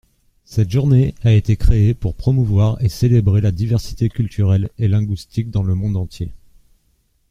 Cette journée a été créée pour promouvoir et célébrer la diversité culturelle et linguistique dans le monde entier.